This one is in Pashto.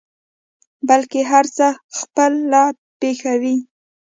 بلکې هر څه خپله پېښوي.